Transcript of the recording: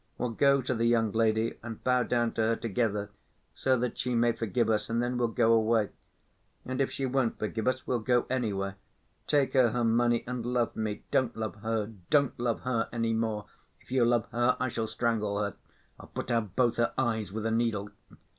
We'll go to the young lady and bow down to her together, so that she may forgive us, and then we'll go away. And if she won't forgive us, we'll go, anyway. Take her her money and love me.... Don't love her.... Don't love her any more. If you love her, I shall strangle her.... I'll put out both her eyes with a needle...."